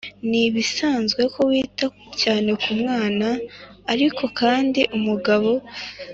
ni ibisanzwe ko wita cyane ku mwana Ariko kandi umugabo